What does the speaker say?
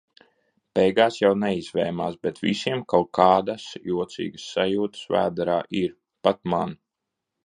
Beigās jau neizvēmās, bet visiem kaut kādas jocīgas sajutas vēderā ir, pat man.